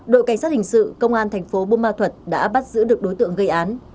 đội cảnh sát hình sự công an thành phố bumma thuật đã bắt giữ được đối tượng gây án